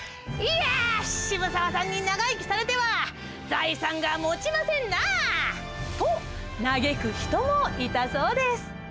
「渋沢さんに長生きされては財産がもちませんなー」と嘆く人もいたそうです。